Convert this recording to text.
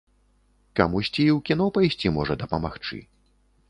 Камусьці і ў кіно пайсці можа дапамагчы.